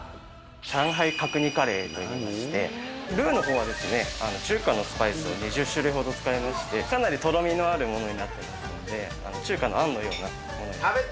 上海角煮カレーといいまして、ルーのほうはですね、中華のスパイスを２０種類ほど使いまして、かなりとろみのあるものになっています、中華のあんのようなものに。